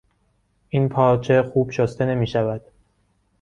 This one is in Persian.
این پارچه خوب شسته نمیشود.